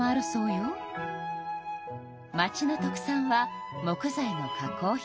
町の特産は木材の加工品。